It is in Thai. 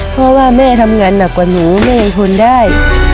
เพราะว่าแม่ทำงานหนักกว่าหนูแม่ยังทนได้